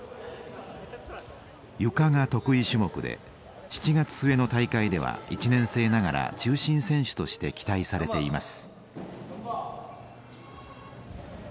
「ゆか」が得意種目で７月末の大会では１年生ながら中心選手として期待されています。